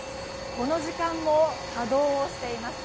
この時間も稼働しています。